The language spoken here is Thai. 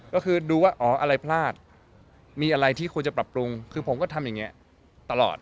ก็คือดูว่าอ๋ออะไรพลาดมีอะไรที่ควรจะปรับปรุงคือผมก็ทำอย่างนี้ตลอด